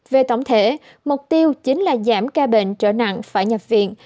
về tổng thể mục tiêu chính là giảm ca bệnh trở nặng phải nhập viện